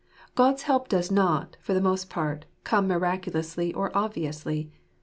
God's help does not, for the most part, come miraculously or obviously.